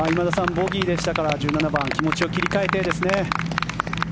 ボギーでしたから１７番気持ちを切り替えてですね。